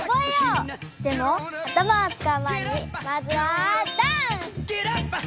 でもあたまをつかう前にまずはダンス！